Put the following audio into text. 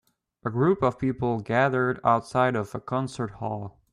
A group of people gathered outside of a concert hall.